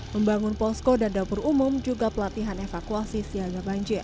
membangun posko dan dapur umum juga pelatihan evakuasi siaga banjir